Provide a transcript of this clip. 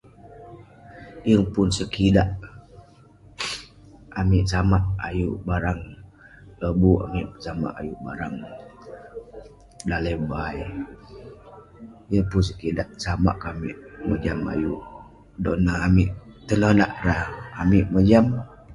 Yeng pun sekidak, amik samak ayuk barang lobuk, amik pesamak ayuk barang daleh bai. Yeng pun sekidak. Sama ke amik mojam ke ayuk. Dan ne amik tenonak rah. Amik mojam.